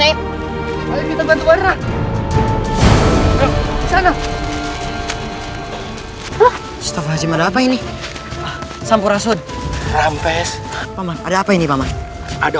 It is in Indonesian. hai kita bantu warah sana staf hajim ada apa ini sampurasud rampes ada apa ini paman ada